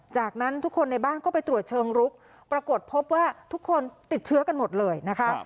จากนั้นทุกคนในบ้านก็ไปตรวจเชิงลุกปรากฏพบว่าทุกคนติดเชื้อกันหมดเลยนะคะ